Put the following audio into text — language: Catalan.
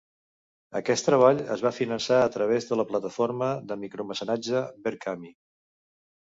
Aquest treball es va finançar a través de la plataforma de micromecenatge Verkami.